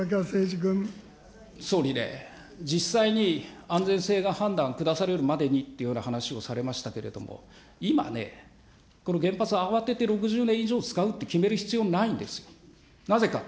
総理ね、実際に安全性の判断を下されるまでにという話をされましたけれども、今ね、この原発、慌てて６０年以上使うと決める必要ないんですよ。なぜか。